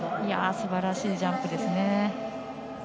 すばらしいジャンプですね。